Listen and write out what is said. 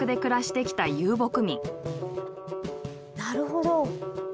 なるほど。